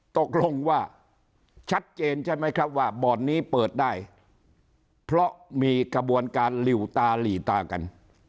ตกลงว่าชัดเจนใช่ไหมครับว่าบ่อนนี้เปิดได้เพราะมีกระบวนการหลิวตาหลีตากัน